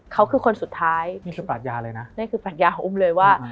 เขาคือคนสุดท้ายนี่คือปรัชญาเลยนะนี่คือปรัชญาของอุ้มเลยว่า